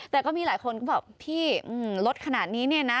แต่ก็มีหลายคนก็บอกพี่รถขนาดนี้เนี่ยนะ